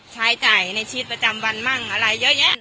ใช้จ่ายในชีวิตประจำวันมั่งอะไรเยอะแยะ